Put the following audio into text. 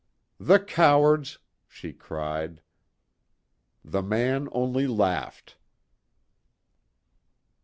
"The cowards!" she cried. The man only laughed.